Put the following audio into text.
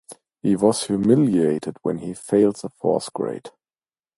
He was humiliated when he failed the fourth grade.